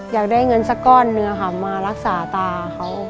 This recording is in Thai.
อยากได้เงินสักก้อนหนึ่งค่ะมารักษาตาเขา